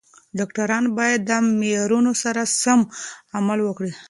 ډاکټران باید د معیارونو سره سم عمل وکړي.